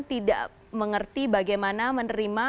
tidak mengerti bagaimana menerima